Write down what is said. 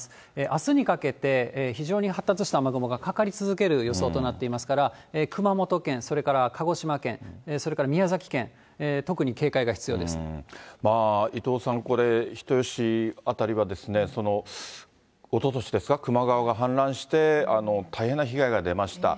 あすにかけて非常に発達した雨雲がかかり続ける予想となっておりますから、熊本県、それから鹿児島県、それから宮崎県、伊藤さん、これ、人吉辺りはおととしですか、球磨川が氾濫して、大変な被害が出ました。